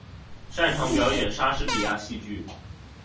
擅长表演莎士比亚戏剧。